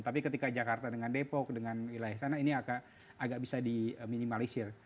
tapi ketika jakarta dengan depok dengan wilayah sana ini agak bisa diminimalisir